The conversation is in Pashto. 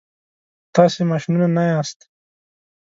تاسي ماشینونه نه یاست.